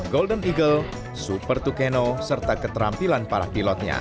golden eagle super tucano serta keterampilan para pilotnya